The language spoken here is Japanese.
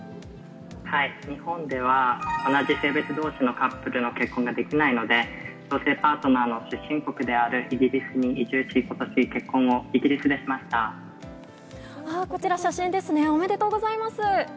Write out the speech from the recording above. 日本では、同じ性別どうしのカップルの結婚ができないので、同性パートナーの出身国であるイギリスに移住し、ことし結婚をイこちら、写真ですね、おめでとうございます。